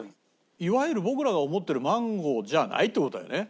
いわゆる僕らが思ってるマンゴーじゃないって事だよね？